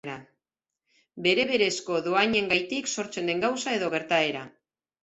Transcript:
Bere berezko dohainengatik sortzen den gauza edo gertaera.